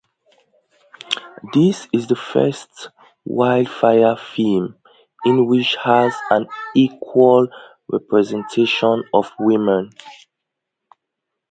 This is the first wildlife film in which has an equal representation of women.